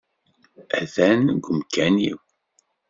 Atan deg umkan-iw.